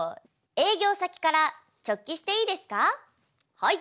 はい。